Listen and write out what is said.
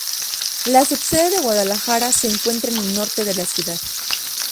La subsede de Guadalajara se encuentra en el norte de la ciudad.